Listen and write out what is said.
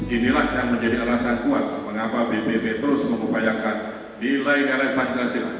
inilah yang menjadi alasan kuat mengapa bpip terus memupayakan di lain lain pancasila